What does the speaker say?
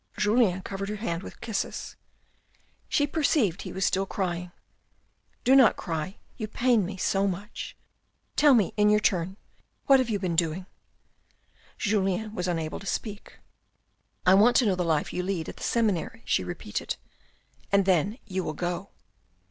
Julien covered her hand with kisses. She perceived he was still crying. " Do not cry, you pain me so much. Tell me, in your turn, what you have been doing," Julien was unable to speak. " I want to know the life you lead at the seminary," she repeated. "And then you will go."